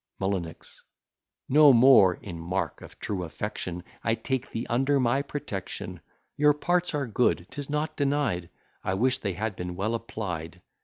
M. No more in mark of true affection, I take thee under my protection; Your parts are good, 'tis not denied; I wish they had been well applied.